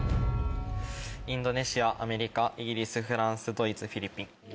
インドネシアアメリカイギリスフランスドイツフィリピン。